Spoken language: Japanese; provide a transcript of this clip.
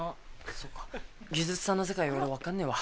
そっか技術さんの世界俺分かんねえわ。